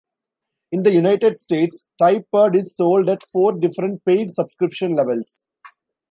In the United States, TypePad is sold at four different paid subscription levels.